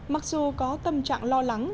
mặc dù có tâm trạng lo lắng